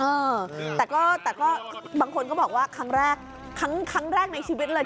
เออแต่ก็บางคนก็บอกว่าครั้งแรกในชีวิตเลย